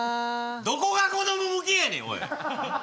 どこがこども向けやねんおい！